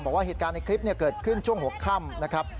บอกว่าเหตุการณ์ในคลิปเกิดขึ้นช่วงหัวค่ำนะครับ